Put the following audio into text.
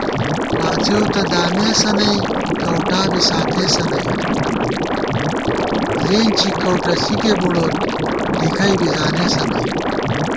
واڅېؤ تہ دامېسہ نئ گؤٹا بی ساتېسہ نئ * لِینچی کؤٹہ ݪِکے بُڑوت ڈِکَئ بی زانېسہ نئ